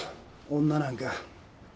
女なんか。